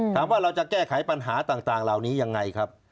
เราจะแก้ไขปัญหาต่างเหล่านี้ยังไงครับ